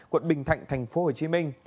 quận bình thạnh tp hcm